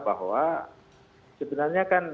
bahwa sebenarnya kan